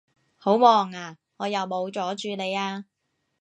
好忙呀？我有冇阻住你呀？